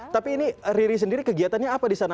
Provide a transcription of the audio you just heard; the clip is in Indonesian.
tapi ini riri sendiri kegiatannya apa di sana